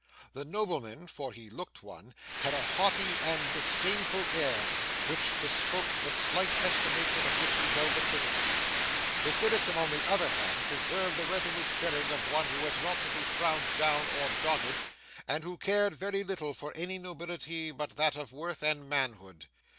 The nobleman (for he looked one) had a haughty and disdainful air, which bespoke the slight estimation in which he held the citizen. The citizen, on the other hand, preserved the resolute bearing of one who was not to be frowned down or daunted, and who cared very little for any nobility but that of worth and manhood.